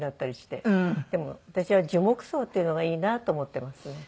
でも私は樹木葬っていうのがいいなと思っていますね。